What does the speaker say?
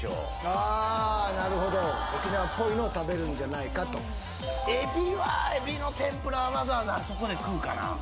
あなるほど沖縄っぽいのを食べるんじゃないかとえびはえびの天ぷらはわざわざあそこで食うかな？